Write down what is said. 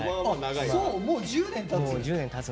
もう１０年たつ？